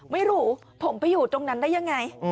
ไม่รู้ผมไปอยู่ตรงนั้นได้ยังไง